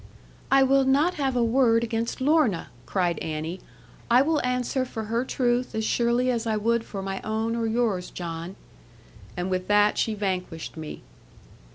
'I will not have a word against Lorna,' cried Annie; 'I will answer for her truth as surely as I would for my own or yours, John.' And with that she vanquished me.